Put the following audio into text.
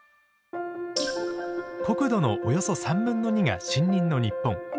国土のおよそ３分の２が森林の日本。